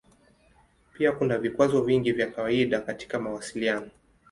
Pia kuna vikwazo vingi vya kawaida katika mawasiliano.